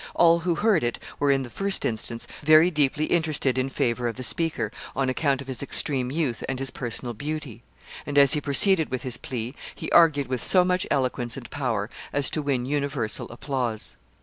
All who heard it were, in the first instance, very deeply interested in favor of the speaker, on account of his extreme youth and his personal beauty; and, as he proceeded with his plea, he argued with so much eloquence and power as to win universal applause.